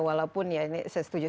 walaupun ya ini saya setuju